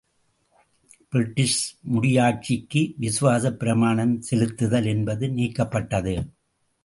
British முடியாட்சிக்கு விசுவாசப் பிரமாணம் செலுத்துதல் என்பது நீக்கப்பட்டது.